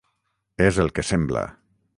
És el que sembla.